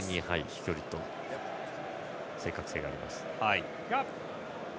飛距離と正確性があります。